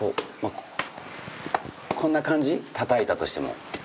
こんな感じたたいたとしても。